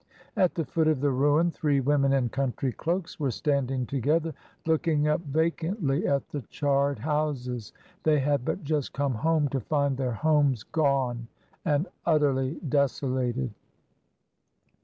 At the foot of the ruin, three women in country cloaks were standing together looking up vacantly at the charred houses. They had but just come home to find their homes gone and utterly desolated.